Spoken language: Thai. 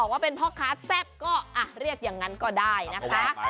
ว่าเป็นพ่อค้าแซ่บก็เรียกอย่างนั้นก็ได้นะคะ